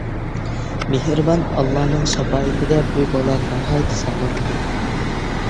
مېھرىبان ئاللانىڭ شاپائىتىدە بۇ بالا ناھايىتى ساغلام ئىدى.